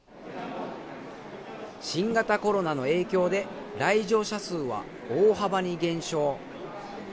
新型コロナの影響で来場者数は大幅に減少。